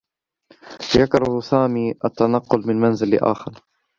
يكره سامي التّنقّل من منزل لآخر.